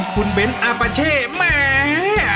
คุณเบ้นอาปาเช่แหม